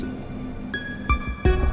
tidak ada yang bisa dikira